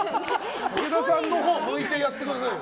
武田さんのほう向いてやってくださいよ。